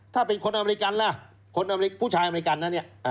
ถ้าเป็นคนอเมริกันล่ะคนอเมริผู้ชายอเมริกันนะเนี่ย